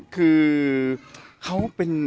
คือ